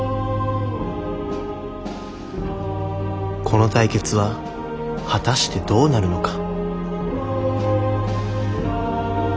この対決は果たしてどうなるのか？